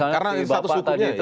karena ini satu suku nya